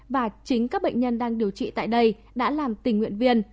và chính các bệnh nhân đang điều trị tại đây đã làm tình nguyện viên